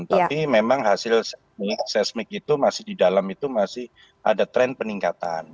tapi memang hasil seismik itu masih di dalam itu masih ada tren peningkatan